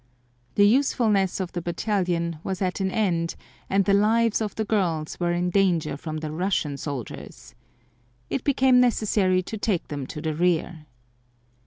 The usefulness of the Battalion was at an end and the lives of the girls were in danger from the Russian soldiers. It became necessary to take them to the rear.